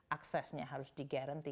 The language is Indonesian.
aksesnya harus di guarantee